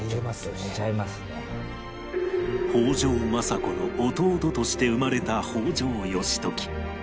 北条政子の弟として生まれた北条義時